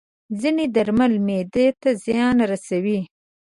ځینې درمل معده ته زیان رسوي.